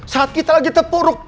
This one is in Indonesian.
saat kita lagi terpuruk